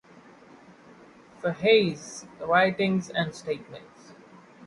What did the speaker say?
Fahey's writings and statements.